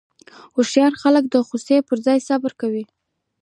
هوښیار خلک د غوسې پر ځای صبر کوي.